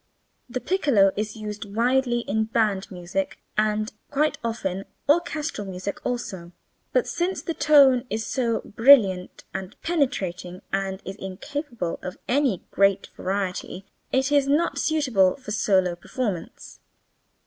The piccolo is used widely in band music and quite often in orchestral music also, but since the tone is so brilliant and penetrating and is incapable of any great variation, it is not suitable for solo performance.